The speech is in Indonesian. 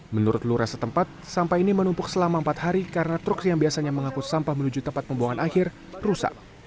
menurut lurah setempat sampah ini menumpuk selama empat hari karena truk yang biasanya mengangkut sampah menuju tempat pembuangan akhir rusak